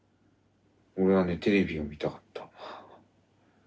俺はねテレビが見たかった。